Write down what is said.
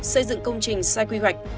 xây dựng công trình sai quy hoạch